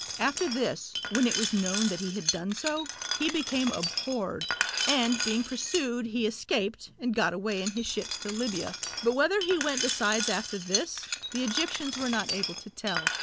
After this, when it was known that he had done so, he became abhorred, and being pursued he escaped and got away in his ships to Libya; but whither he went besides after this, the Egyptians were not able to tell.